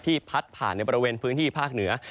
พัดผ่านในบริเวณพื้นที่ภาคเหนือ